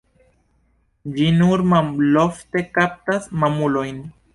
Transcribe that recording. Ĝi nur malofte kaptas mamulojn.